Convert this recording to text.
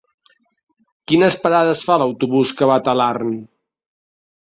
Quines parades fa l'autobús que va a Talarn?